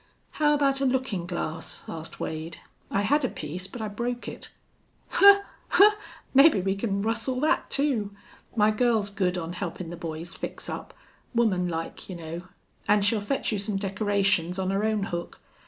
"How about a lookin' glass?" asked Wade. "I had a piece, but I broke it." "Haw! Haw! Mebbe we can rustle thet, too. My girl's good on helpin' the boys fix up. Woman like, you know. An' she'll fetch you some decorations on her own hook.